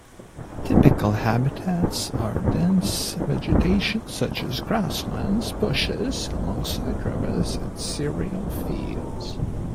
Typical habitats are dense vegetation such as grasslands, bushes alongside rivers and cereal fields.